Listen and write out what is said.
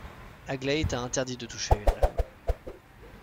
Aglaé t'a interdit de toucher à une lame.